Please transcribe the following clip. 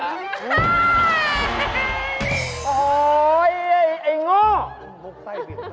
อ๋อไออะไอหง่อ